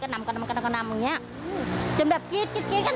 ก็นำอย่างนี้จะแบบกรี๊ดกัน